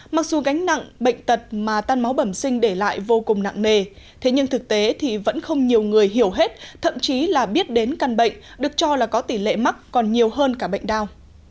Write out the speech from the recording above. mặc dù gánh nặng bệnh tật mà tan máu bẩm sinh để lại vô cùng nặng nề thế nhưng thực tế thì vẫn không nhiều người hiểu hết thậm chí là biết đến căn bệnh được cho là có tỷ lệ mắc còn nhiều hơn cả bệnh đau